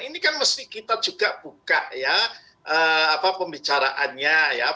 ini kan kita juga buka pembicaraannya ya